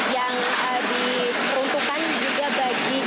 yang diperuntukkan juga bagi